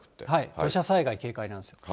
土砂災害警戒なんです。